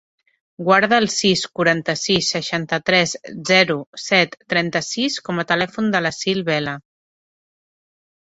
Guarda el sis, quaranta-sis, seixanta-tres, zero, set, trenta-sis com a telèfon de l'Assil Vela.